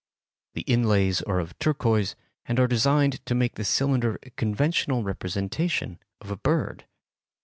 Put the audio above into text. The inlays are of turquoise and are designed to make the cylinder a conventional representation of a bird.